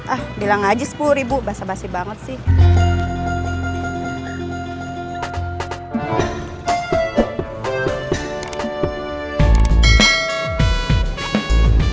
ah bilang aja rp sepuluh basah basih banget sih